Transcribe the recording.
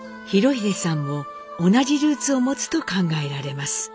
裕英さんも同じルーツを持つと考えられます。